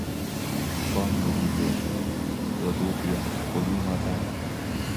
Koang'weri gei kotut ya koking'otan